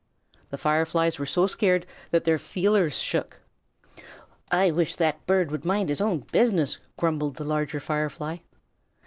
The Fireflies were so scared that their feelers shook. "I wish that bird would mind his own business," grumbled the Larger Firefly.